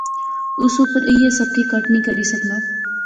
اس اپر ایہہ سب کی کٹ نی کری سکنا